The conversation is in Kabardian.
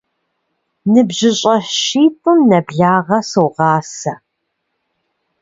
НыбжьыщӀэ щитӏым нэблагъэ согъасэ.